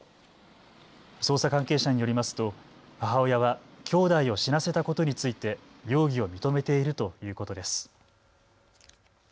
捜査関係者によりますと母親はきょうだいを死なせたことについて容疑を認めているということです。